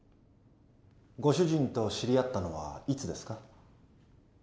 ご主人と知り合ったのはいつですか？